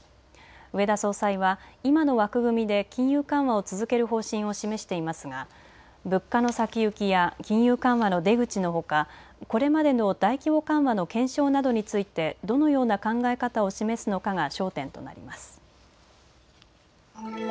植田総裁は今の枠組みで金融緩和を続ける方針を示していますが物価の先行きや金融緩和の出口のほかこれまでの大規模緩和の検証などについてどのような考え方を示すのかが焦点となります。